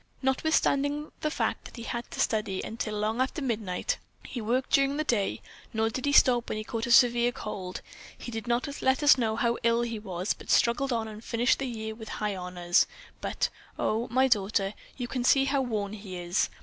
Notwithstanding the fact that he had to study until long after midnight, he worked during the day, nor did he stop when he caught a severe cold. He did not let us know how ill he was, but struggled on and finished the year with high honors, but, oh, my daughter, you can see how worn he is.